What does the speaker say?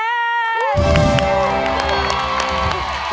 ๑คะแนน